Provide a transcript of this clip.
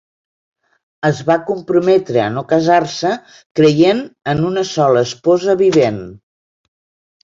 Es va comprometre a no casar-se, creient en una sola esposa vivent.